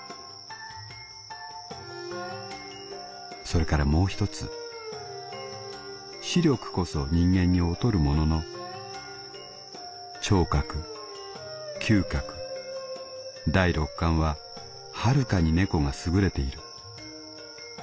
「それからもうひとつ視力こそ人間に劣るものの聴覚嗅覚第６感ははるかに猫が優れている」。